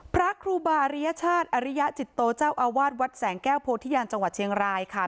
พระครูบาริยชาติอริยจิตโตเจ้าอาวาสวัดแสงแก้วโพธิญาณจังหวัดเชียงรายค่ะ